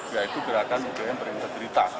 yaitu gerakan ugm berintegritas